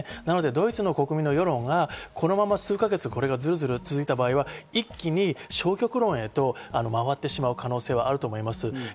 ドイツの国民の世論がこのまま数か月、これがズルズル続いた場合、一気に消極論へと回ってしまう可能性はあると思います。